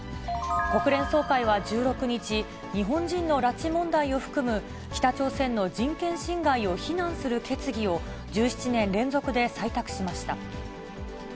国連総会は１６日、日本人の拉致問題を含む北朝鮮の人権侵害を非難する決議を、１７年連続で採択しました。